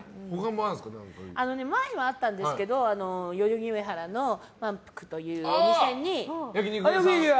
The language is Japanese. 前もあったんですけど代々木上原のまんぷくというお店にね。